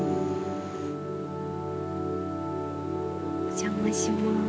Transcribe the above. お邪魔します。